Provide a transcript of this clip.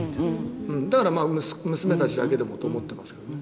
だから娘たちだけでもと思ってるんですけどね。